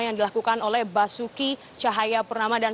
yang dilakukan oleh basuki cahaya purnama dan sampai ketiga